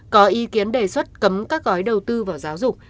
có ý kiến đề xuất cấm các gói đầu tư vào giáo dục